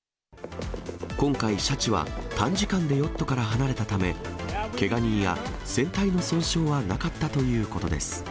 今回、シャチは短時間でヨットから離れたため、けが人や船体の損傷はなかったということです。